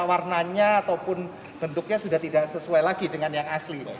warnanya ataupun bentuknya sudah tidak sesuai lagi dengan yang asli